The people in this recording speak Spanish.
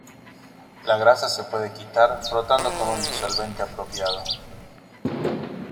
La grasa se puede quitar frotando con un disolvente apropiado.